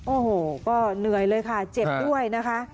โอ้โหก็เหนื่อยเลยค่ะเจ็บด้วยนะคะ